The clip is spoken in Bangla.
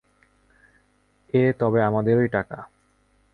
এ তবে আমাদেরই টাকা।